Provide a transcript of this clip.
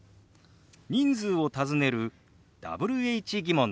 人数を尋ねるＷｈ−疑問です。